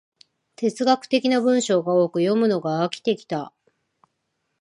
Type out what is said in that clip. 哲学的な文章が多く、読むのが飽きてきた